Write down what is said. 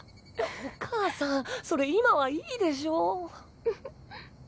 お母さんそれ今はいいでしょ。